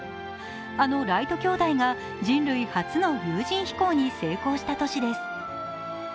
あのライト兄弟が人類初の有人飛行に成功した年です。